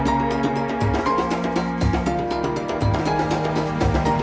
ก็ไม่รู้ว่าเกิดอะไรขึ้นข้างหลัง